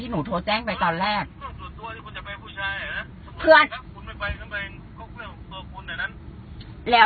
แต่พีู่จักการมีไปกับผู้ชาย